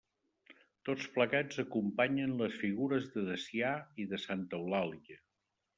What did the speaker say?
Tots plegats acompanyen les figures de Dacià i de Santa Eulàlia.